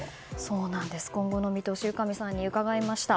今後の見通しを由上さんに伺いました。